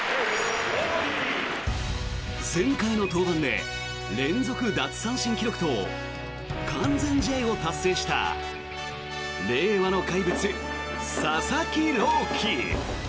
前回の登板で連続奪三振記録と完全試合を達成した令和の怪物、佐々木朗希。